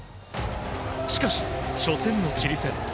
しかし、初戦のチリ戦。